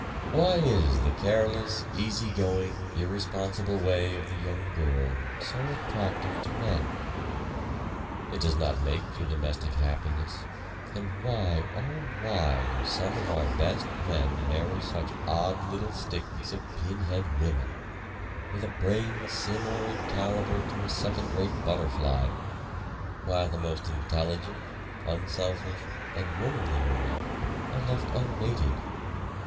Why is the careless, easy going, irresponsible way of the young girl so attractive to men? It does not make for domestic happiness; and why, Oh why, do some of our best men marry such odd little sticks of pin head women, with a brain similar in caliber to a second rate butterfly, while the most intelligent, unselfish, and womanly women are left unmated?